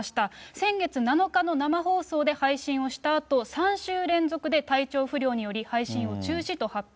先月７日の生放送で配信をしたあと、３週連続で体調不良により配信を中止と発表。